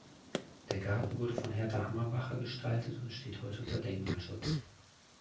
Der Garten wurde von Herta Hammerbacher gestaltet und steht heute unter Denkmalschutz.